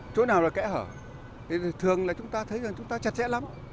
chỗ nào là kẽ hở thì thường là chúng ta thấy rằng chúng ta chặt chẽ lắm